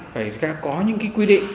phải có những quy định